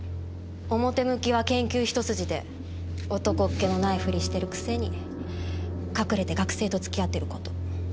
表向きは研究一筋で男っ気のないふりしてるくせに隠れて学生と付き合ってること。